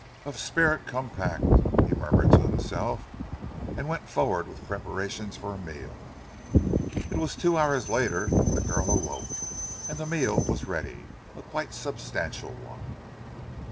"Of spirit compact," he murmured to himself, and went forward with preparations for a meal. It was two hours later when the girl awoke, and the meal was ready a quite substantial one.